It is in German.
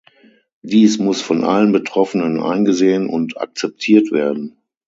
Dies muss von allen Betroffenen eingesehen und akzeptiert werden.